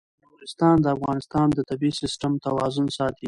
نورستان د افغانستان د طبعي سیسټم توازن ساتي.